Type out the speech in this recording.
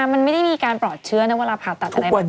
มันไม่ได้มีการปลอดเชื้อนะเวลาผ่าตัดอะไรแบบนี้